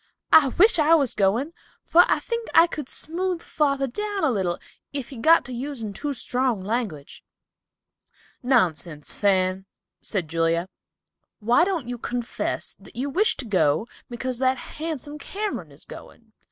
"I wish I was going, for I think I could smooth father down a little if he got to using too strong language." "Nonsense, Fan," said Julia. "Why don't you confess that you wish to go because that handsome Cameron is going?